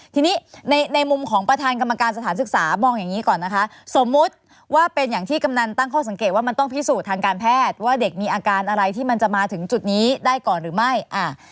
ทีนี้ในในมุมของประธานกรรมการสถานศึกษามองอย่างนี้ก่อนนะคะสมมุติว่าเป็นอย่างที่กำนันตั้งข้อสังเกตว่ามันต้องพิสูจน์ทางการแพทย์ว่าเด็กมีอาการอะไรที่มันจะมาถึงจุดนี้ได้ก่อนหรือไม่อ่า